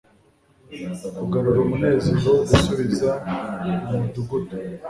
kugarura umunezero, gusubira mumudugudu